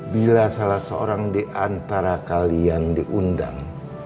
bila salah seorang diantara kalian diundang